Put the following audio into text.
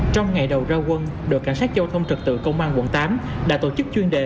trong ngày đầu ra quân đội cảnh sát giao thông trật tự công an quận tám đã tổ chức chuyên đề